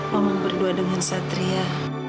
mama berdua dengan satria